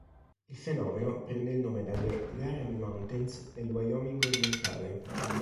Il fenomeno prende il nome dalle Laramie Mountains nel Wyoming orientale.